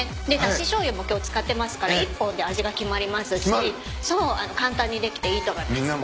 でだししょうゆも今日使ってますから一本で味が決まりますし簡単にできていいと思います。